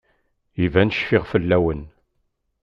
Iban cfiɣ fell-awen.